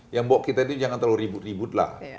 yang bawa kita itu jangan terlalu ribut ribut lah